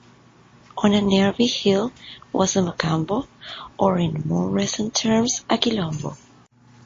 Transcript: On a nearby hill was a mocambo or, in more recent terms, a quilombo.